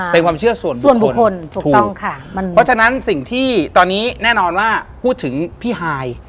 เป็นความเชื่อส่วนบุคคลส่วนบุคคลถูกต้องค่ะเพราะฉะนั้นสิ่งที่ตอนนี้แน่นอนว่าพูดถึงพี่ฮาย